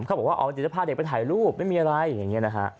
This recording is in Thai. เขาบอกว่าอ๋อเดี๋ยวจะพาเด็กไปถ่ายรูปไม่มีอะไรอย่างนี้นะฮะ